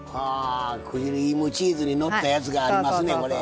クリームチーズにのったやつがありますね、これ。